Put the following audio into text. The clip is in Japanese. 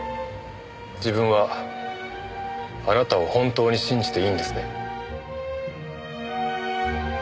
自分はあなたを本当に信じていいんですね？